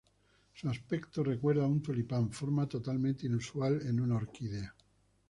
Su aspecto recuerda a un tulipán, forma totalmente inusual en una orquídea.